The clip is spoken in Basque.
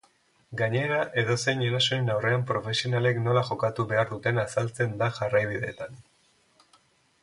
Gainera, edozein erasoren aurrean profesionalek nola jokatu behar duten azaltzen da jarraibideetan.